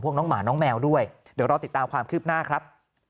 น้องหมาน้องแมวด้วยเดี๋ยวรอติดตามความคืบหน้าครับ